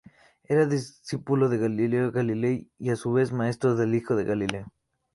Era discípulo de Galileo Galilei, y a su vez maestro del hijo de Galileo.